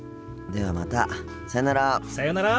ではまたさよなら。